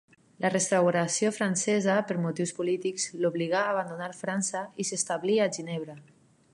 La Restauració francesa per motius polítics l'obligà a abandonar França, i s'establí a Ginebra.